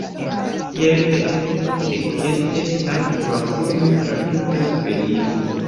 Tiel ekestis akva vojo tra tuta Svedio.